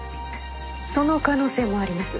その可能性もあります。